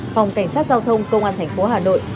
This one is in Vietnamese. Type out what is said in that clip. phòng cảnh sát giao thông công an thành phố hà nội